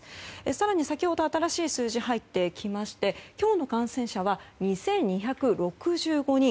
更に先ほど新しい数字が入ってきまして今日の感染者は２２６５人。